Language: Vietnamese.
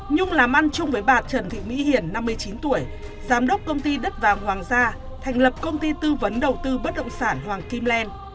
nhung làm ăn chung với bà trần thị mỹ hiền năm mươi chín tuổi giám đốc công ty đất vàng hoàng gia thành lập công ty tư vấn đầu tư bất động sản hoàng kim len